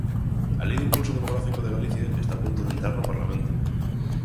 A Lei de impulso demográfico de Galicia está a punto de entrar no Parlamento.